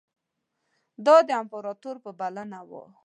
دا د امپراطور په بلنه وو.